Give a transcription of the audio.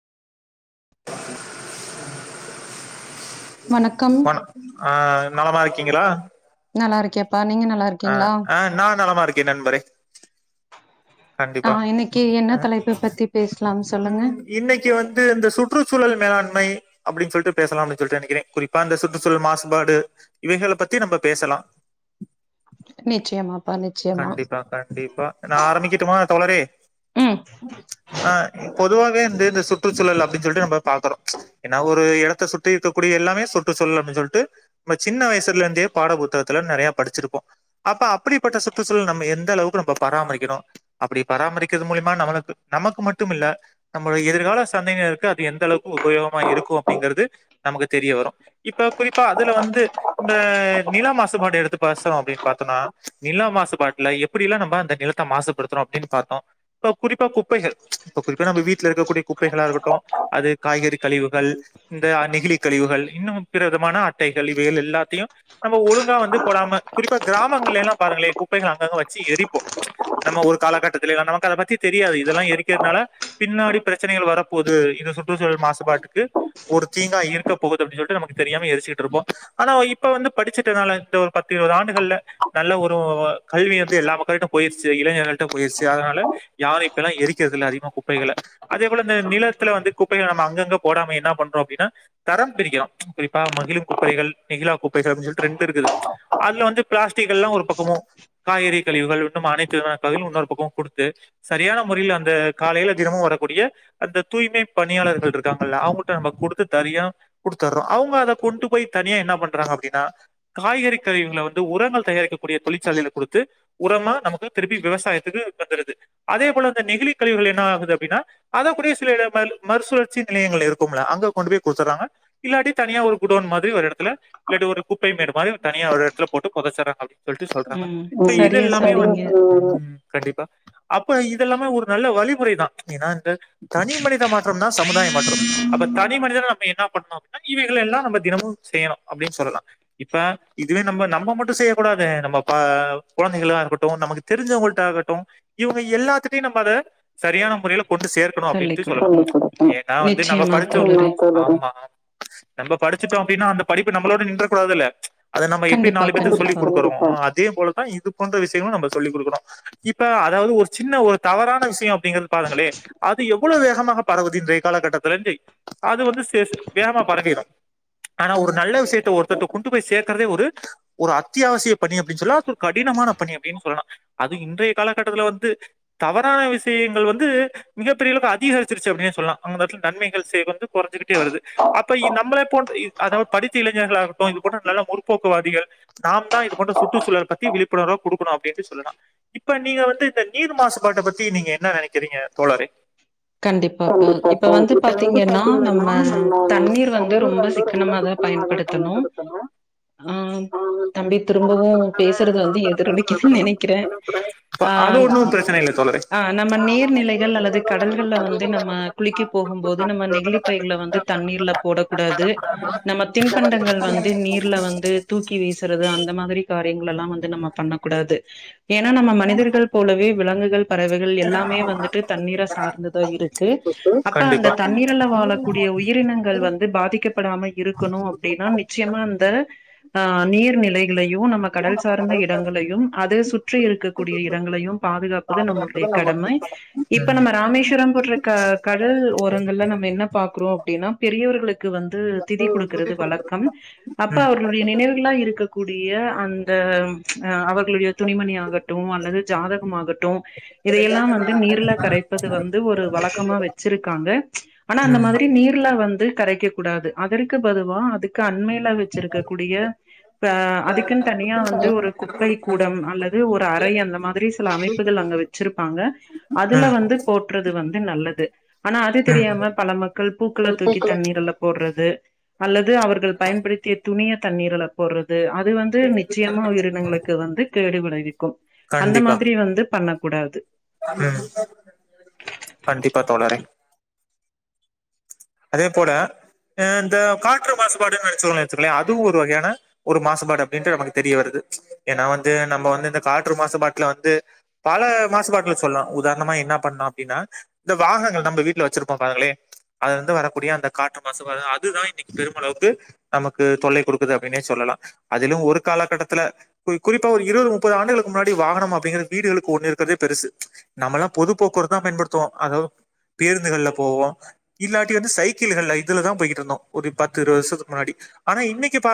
வணக்கம் வணக் அஹ் நலமா இருக்கீங்களா நல்லா இருக்கேப்பா நீங்க நல்லா இருக்கீங்களா அஹ் ஆஹ் நான் நிலமா இருக் நண்பரே ஆ கண்டிப்பா இன்னைக்கு என்ன தலைப்பு பத்தி பேசலாம் சொல்லுங்க உம் இன்னைக்கு வந்து இந்த சுற் சுற்றுச்சூழல் மேலாண்மை அப்படின்னு சொல்லிட்டு பேசலாம் அப்படின்னு சொல்லிட்டு நினைக்கிறேன் குறிப்பா இந்த சுற்றுச்சூழல் மாசுபாடு இவைக பத்தி நம்ம பேசலாம் நிச்சயமாப்பா நிச்சயமா கண்டிப்பா கண்டிப்பா நான் ஆரம்பிக்க ஆஹ தோழரே ம் ஆஹ் பொதுவாக இந்த இந்த சு சுற்றுச்சூழல் அப்படின்னு சொல்லிட்டு நம்ம பாக்குறோம் ஏன்னா ஒரு இடத்த சுற்றி இருக்கக்கூடிய எல்லாமே சுற்றுச்சூழல் அப்டின் சொல்லிட்டு சின்ன வயசுல இருந்தே பாடபுத்தகத்துல நிறைய படிச்சிருப்போம் அப்ப அப்படிப்பட்ட சுற்றுச்சூழல் நம்ம எந்த அளவுக்கு நம்ம பராமரிக்கணும் அப்படி பராமரிக்கிறது மூலியமா நம்மளுக்கு நமக்கு மட்டும் இல்லலை நம்மடைய எதிர்கால சந்தைினருக்கு அது எந்த அளவுக்கு உபயோகமா இருக்கும் அப்படிங்கிறது நமக்கு தெரிய வரும் இப்ப குறிப்பா அதுல வந்து இந்த நில மாசுபாடு எடுத்து பேசம் அப்படின்னு பாார்த்தோனா நில மாசுபாட்டுல எப்படியெல்லாம் நம்ம அந்த நிலத்தை மாசுபடுத்துறோம் பாத்தோம் குறிப்பா குப்பைகள் இ குறிப்பா நம்ம வீட்டுல இருக்கக்கூடிய குப்பைகளா இருக்கட்டும் அது காய்கறி கழிவுகள் இந்த நெகிழ கழிவுகள் இன்னும் பிற விதமான அட்டைகள் இவைகள் எல்லாத்தையும் நம்ம ஒழுங்கா வந்து போடாம குறிப்பா கிராமங்கள எல்லாம் பாரு குப்பைகள் அங்கங்க வச்சு எரிப்போம் நம்ம ஒரு காலகட்டத்தில் நமக்கு அதை பத்தி தெரியாது இதெல்லாம் எரிக்கிறதுனால பின்னாடி பிரச்சனைகள் வரப்போகுது இந்த சுற்றுச்சூழல் மாசுபாட்டுக்கு ஒரு தீங்காயா இருக்க போகுது அப்படின்னு சொல்லிட்டு நமக்கு தெரியாம எரிச்சுட்டு இருப்போம் ஆனா இப்ப வந்து படிச்சனால பத்து இருபது ஆண்டுகள் நல்ல ஒரு கல்வி வந்து எல்லா மக்களும் போயிருச்சு இளைஞர்கள் கிட்ட போயிருச்சு அதனால யாரும் இப்பல்ல எரிக்கறது இல்ல அதிகமா குப்பைகள அதே போல இந்த நிலத்துல வந்து குப்பைகள நம்ம ஆங்காங்க போடாம என்ன பண்றோ அப்டினா தரம் பிரிக்கரம் குறிப்பா மகிழும் குப்பைகள் நெகிலா குப்பைகள் [unintelligible] ரெண்டு இருக்குது அதுல வந்து பிளாஸ்டிக் எல்லா ஒரு குப்பமும் காய்கறி கழிவுகள் [unintelligible] அனைத்துமே [unintelligible] கொடுத்து சரியான முறையில் அந்த காலையில் தினமும் வரக்கூடிய அந்த தூய்மை பணியாளர்கள் இருக்காங்க அவங்க ந கொடுத்து தனியா கொடுத்துறோம் அவங்க அதை கொண்டு போய் தனியா என்ன பண்றாங்க அப்படின்னா காய்கறி கருவிகளை வந்து உரங்கள் தயாரிக்கக்கூடிய தொழிற்சாலை கொடுத்து உரமா நமக்கு திருப் விவசாயத்துக்கு வந்துடுது அதே போல அந்த நெகிலி கழிவுகள் என்ன ஆகுது அப்டினா அதக்கூட சில இடங்கள மறுசுலற்சி நிலையங்கள் இருக்கும்ல அங்க கொண்டுபோய் கொடுத்தரங்க இல்லாட்டி தனியா ஒரு குடோன் மாதிரி ஒரு எடத்துல [unintelligible] குப்பையு எடுப்ப அத தனியா ஒரு எடத்துல போட்டு போதச்சராங்க அப்டி சொல்லிட்டு சொல்றாங்க ம் சரியா சொன்னீங்க கண்டிப்பா அப்ப இது எல்லாமே ஒரு நல்ல வழிமுறை தான் ஏன்னா தனி மனித மாற்றம் தான் சமுதாய மாற்றம் அப்ப தனி மனித நம்ம என்ன பண்ணனும் அப்படின்னா இவைகள் எல்லாம் நம்ம தினமும் செய்யணும் அப்படின்னு சொல்லலாம் இப்ப இதுவே நம்ம நம்ம மட்டும் செய்ய கூடாது நம்ம குழந்தைகளா இருக்கட்டும் நமக்கு தெரிஞ்சவங்கள்டிட்ட ஆகட்டும் இவங்க எல்லாத்துட்டயையும் நம்ம அதை சரியான முறையில கொண்டு சேர்க்கணும் சொல்லிக் அப்படின்ட்டு குடுக்கணு சொல்லலாம் ஏன்னா வந்து நம்ம நிச்சயமா படிச்சோம் தோழரே நம்ம படிச்சிட்டோம் அப்படின்னா அந்த படிப்பு நம்மளோட நின்ற கூடதுல்ல அது நம்ம எப்படி கண்டிப்பா நாலு பேத்துக்கு சொல்லி கண்டிப்பா கொடுக்குறோம் இதே போல தான் இது பண்ற விஷயங்களு நம்ம சொல்லிக கொடுக்கறோம் இப்ப அதாவது ஒரு சின்ன ஒரு தவறான விஷயம் அப்படிங்கறது பாருங்களே அது எவ்வளவு வேகமாக பரவுது இன்றைய காலகட்டத்தல இரு அது வந்து வேகமா பரவிடும் ஆனா ஒரு நல்ல விஷயத்த ஒருத்த கொண்டு போய் சேர்க்கறதே ஒரு ஒரு அத்தியாவசிய பணி அப்படின்னு சொல்ல அது ஒரு கடினமான பணி அப்படின்னு சொல்லலாம் அதுவும் இன்றைய காலகட்டத்துல வந்து தவறான விஷயங்கள் வந்து மிகப்பெரியளவுக்கு அதிகரிச்சிருச்சு அப்படின் சொல்லலாம் அங்கல நன்மைகள் சேவை வந்து குறைஞ்சகிட்டே வருது அப்ப நம்மளே போ அத படித்த இளைஞர்கள் ஆகட்டும் இது போன்ற நல்ல முற்போக்குவாதிகள் நாம தான் இது போன்ற சுற்றுச்சூழல்லை பத்தி விழிப்புணர்வு கொடுக்கணும் அ மே பீ சொல்லலாம் இப்ப நீங்க வந்து இந்த நீர் மாசுபாட்டை பத்தி நீங்க என்ன நினைக்கிறீங்க தோழரே கண்டிப்பாப்பா இப்ப வந்து பாத்தீங்கன்னா நம்ம தண்ணீர் வந்து ரொம்ப சிக்கனமாதா பயன்படுத்தணு ஆஹ் தம்பி திரும்பவு பேசுறது வந்து எதிரொலிக்குது நினைக்கிறேன் அது ஆஹ் ஒன்னும் பிரச்சனை இல்ல தோழரே ஆஹ் நம்ம நீர்நிலைகள் அல்லது கட கடல்கள் வந்து நம்ம குளிக்க போகும் போது நம்ம நெகிழிப்பைகளை வந்து தண்ணீர்ல போடக்கூடாது நம்ம தின்பண்டங்கள் வந்து நீர்ல வந்து தூக்கி வீசறது அந்த மாதிரி காட்ட விடயங்கள் எல்லா வந்து நம்ம பண்ணக்கூடாது ஏன்னா நம்ம மனிதர்கள் போலவே விலங்குகள் பறவைகள் எல்லாமே வந்துட்டு தண்ணீர சார்ந்துதா இருக்கு அப்ப கண்டிப்பா அந்த தண்ணீரல ம், வாழக்கூடிய உயிரினங்கள் வந்து பாதிக்கப்படாம இருக்கணு அப்படின்னா நிச்சயமா அந்த ஆஹ் நீர்நிலை ளையு நம்ம கடல் சார்ந்த இடங்களையும் அத சுற்றி இருக்கக்கூடிய இடங்களையும் பாதுகாப்பது நம்மளுடைய கடமை இப்ப நம்ம மேஸ்வரம் போன்ற க கடல் ஓரங்கள்ல நம்ம என்ன பாக்கோ அப்டின்னா பெரியவர்களுக்கு வந்து திதி குடுக்கிறது வழக்கம் அப்ப அவர்களுடைய நினைவுகளா இருக்கக்கூடிய அந்த த அவர் ளுடைய துணிமணி ஆகட்டம் அல்லது ஜாதகம்மாகட்டும் இதையெல்லா வந்து நீர்ல கரை தது வந்து ஒரு வழக்கமா வச்சிருக்காங்க ஆனா அந்த ம், ம், மாதிரி நீர்ல வந்து கரைக்க கூடாது அதற்கு பதுவா அதுக்கு அண்மைய வச்சிருக்கக்கூடிய அதுக்குன்னு அ தனியா வந்து ஒரு குப்பை கூடம் அல்லது ஒரு அரை அந்த மாதிரி அமைப்புகள் அங்க வைத் வச்சிருப்பாங்க அதுல ம், வந்து றது வந்து நல்லது ஆனா அது தெரியாம பல மக்கள் பூக்களை ம். தூக்கி தண்ணீர்ல்ல போடுறது அல்லது அவர்கள் பயன்படுத்திய துணிய தண்ணீரல போடுறது து அது வந்து நிச்சயமா உயிரினங்களுக்கு வந்து கேடு விளைவி அந்த கண்டிப்பா மாதிரி வந்து பண்ண கூடாது ம், கண்டிப்பா தோழரே அதே போல அஹ் இந்த காற்று மாசுபாடுன்னு [unintelligible] அதுவும் ஒரு வகையான ஒரு மாசுபாடு அப்டின்ட்டு நமக்கு தெரிய வருது ஏன்னா வந்து நம்ம வந்து இந்த காற்று மாசுபாட்ல வந்து பல மாசுபாட்ல சொல்லலா உதாரணமா என்ன பண்ணலாம் அப்டின்னா இந்த வாகனங்கள் நம்ம வீட்டுல வச்சிருப்போ பாருங்களே அதுலரருந்து வரக்கூடிய அந்த காற்று மாசு அதுதா இன்னைக்கு பெருமளவுக்கு நமக்கு தொல்லை கொடுக்குது அப்டின்னே சொல்லலா அதிலும் ஒரு காலகட்டத்துல குறிப்பா ஒரு இருபது, முப்பது ஆண்டுகளுக்கு முன்னாடி வாகனம் அப்படிங்கிறது வீடுகளுக்கு ஒண்ணு இருக்கிறதே பெருசு நம்ம எல்லாம் பொது போக்குவரத்து தா பயன்படுத்துவோ அதாவது பேருந்துகள்ல போவோ இல்லாட்டி வந்து சைக்கிள்கள்ல இதுலதா போயிட்டு இருந்தோ ஒரு பத்து, இருவது வருஷத்துக்கு முன்னாடி ஆனா இன்னைக்கு பா